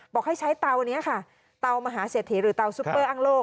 บอกให้ใช้เตานี้ค่ะเตามหาเศรษฐีหรือเตาซุปเปอร์อ้างโล่